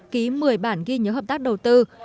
ký một mươi bản ghi nhớ hợp tác đầu tư